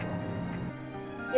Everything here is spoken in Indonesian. ya pak rendy